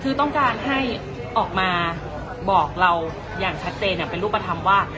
คือต้องการให้ออกมาบอกเราอย่างชัดเจนอย่างเป็นรูปธรรมว่า